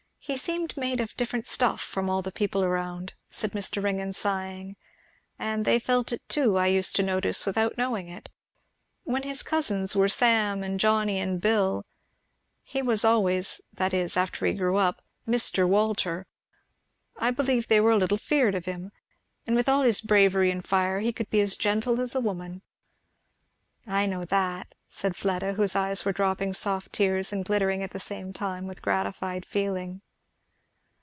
He seemed made of different stuff from all the people around," said Mr. Ringgan sighing, "and they felt it too I used to notice, without knowing it. When his cousins were 'Sam' and 'Johnny' and 'Bill,' he was always, that is, after he grew up, 'Mr. Walter.' I believe they were a little afeard of him. And with all his bravery and fire he could be as gentle as a woman." "I know that," said Fleda, whose eyes were dropping soft tears and glittering at the same time with gratified feeling.